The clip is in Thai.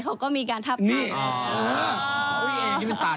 เราก็คุยกันอยู่ในรายการ